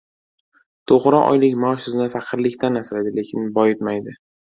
Toʻgʻri, oylik maosh sizni faqirlikdan asraydi, lekin boyitmaydi.